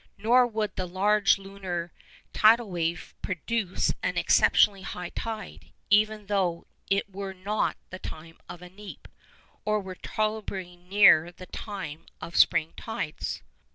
Nor would the large lunar tidal wave produce an exceptionally high tide, even though it were not the time of 'neap,' or were tolerably near the time of 'spring' tides.